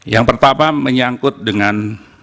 yang pertama menyangkut dengan